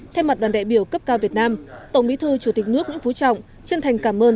thay mặt đoàn đại biểu cấp cao việt nam tổng bí thư chủ tịch nước nguyễn phú trọng chân thành cảm ơn